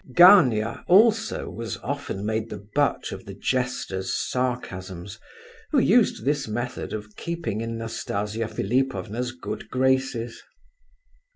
Gania also was often made the butt of the jester's sarcasms, who used this method of keeping in Nastasia Philipovna's good graces.